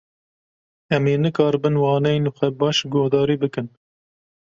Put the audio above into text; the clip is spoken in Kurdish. Em ê nikaribin waneyên xwe baş guhdarî bikin.